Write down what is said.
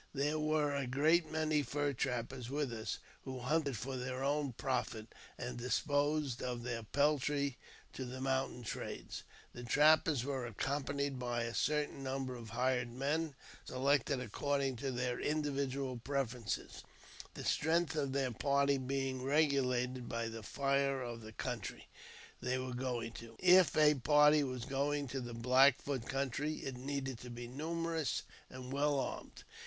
There were a great many fur trappers with us, who hunted for their own profit, and disposed of their peltry to the mountain traders. The trappers were accompanied by a certain number of hired men, selected according to their individual preferences, the strength of their party being regulated by the danger of the country they were going to. If a party was going to the Black Foot country, it needed to be numerous and well armed.